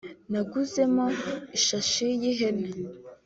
naguze mo ishashi y’ihene